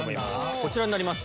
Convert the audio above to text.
こちらになります。